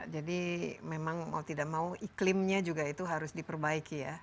jadi memang mau tidak mau iklimnya juga itu harus diperbaiki ya